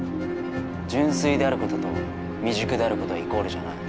純粋であることと未熟であることはイコールじゃない。